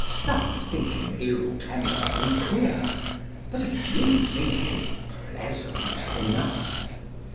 Some think him ill tempered and queer, But a few think him pleasant enough.